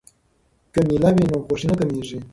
که میله وي نو خوښي نه کمېږي.